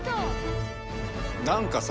何かさ